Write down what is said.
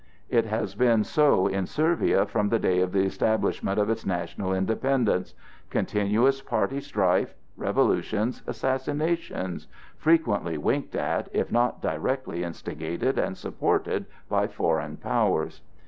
It has been so in Servia from the day of the establishment of its national independence: continuous party strife, revolutions, assassinations—frequently winked at, if not directly instigated and supported, by foreign powers.